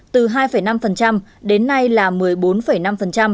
từ hai năm đến nay là